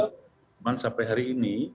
cuman sampai hari ini